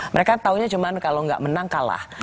mereka taunya cuma kalau nggak menang kalah